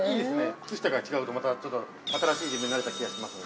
靴下が違うと、またちょっと新しい自分になれた気がしますね。